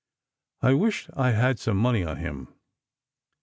" I wish I'd had some money on him."